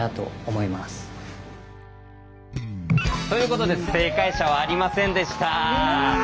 ということで正解者はありませんでした。